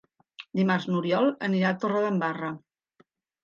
Dimarts n'Oriol anirà a Torredembarra.